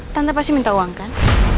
tanpa pasti minta uang kan